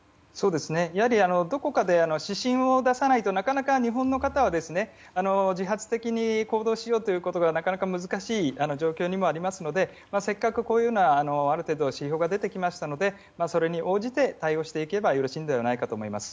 やはりどこかで指針を出さないとなかなか日本の方は自発的に行動しようということがなかなか難しい状況にもありますのでせっかく、こういうようなある程度指標が出てきましたのでそれに応じて対応していけばよろしいのではないかと思います。